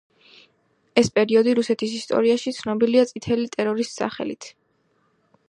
ეს პერიოდი რუსეთის ისტორიაში ცნობილია წითელი ტერორის სახელით.